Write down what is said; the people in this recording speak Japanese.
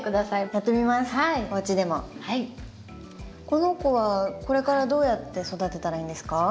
この子はこれからどうやって育てたらいいんですか？